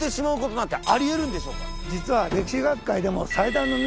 実は。